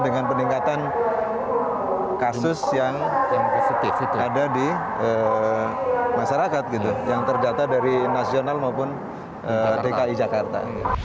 dengan peningkatan kasus yang ada di masyarakat gitu yang terdata dari nasional maupun dki jakarta